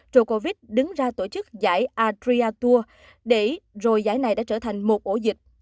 djokovic đứng ra tổ chức giải adria tour để rồi giải này đã trở thành một ổ dịch